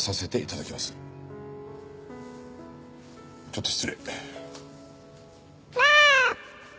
ちょっと失礼。